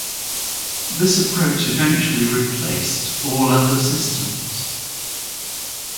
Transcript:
This approach eventually replaced all other systems.